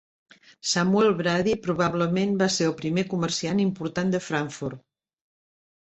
Samuel Brady, probablement, va ser el primer comerciant important de Frankfurt.